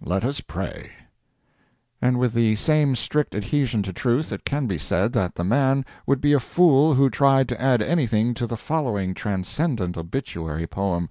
Let us pray!" And with the same strict adhesion to truth it can be said that the man would be a fool who tried to add anything to the following transcendent obituary poem.